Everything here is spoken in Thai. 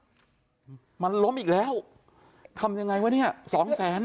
มันล้มอีกแล้วทำยังไงวะเนี้ยสองแสน